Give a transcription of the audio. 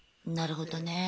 なるほどね。